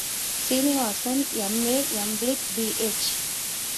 Srinivasan M A., M Litt., pH.